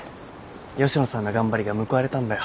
吉野さんの頑張りが報われたんだよ。